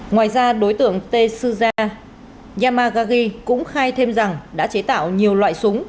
ngoài ra đối tượng tetsuza yamagagi cũng khai thêm rằng đã chế tạo nhiều loại súng